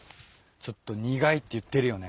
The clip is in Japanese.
ちょっと苦いって言ってるよね。